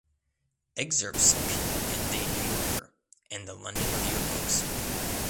Excerpts appeared in "The New Yorker" and the "London Review of Books".